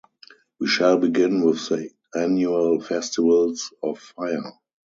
We shall begin with the annual festivals of fire.